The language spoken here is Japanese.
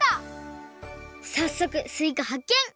さっそくすいかはっけん！